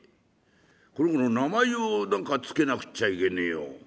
この子の名前を何か付けなくっちゃいけねえよ。